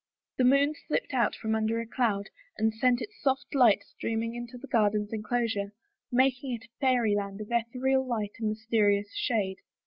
The moon slipped out from under a cloud and sent its soft light streaming into the garden's enclosure, mak ing it a fairyland of ethereal light and mysterious shade.